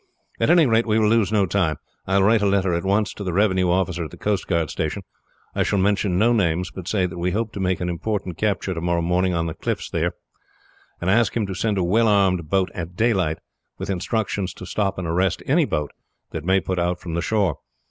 At any rate we will lose no time. I will write a letter at once to the revenue officer at the coast guard station. I shall mention no names, but say that we hope to make an important capture to morrow morning on the cliffs here, and asking him to send a well armed boat at daylight, with instructions to stop and arrest any boat that may put out from the shore.